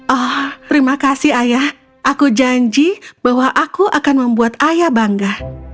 oh terima kasih ayah aku janji bahwa aku akan membuat ayah bangga